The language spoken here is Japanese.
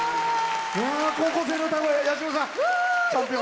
高校生の歌声八代さん、チャンピオン。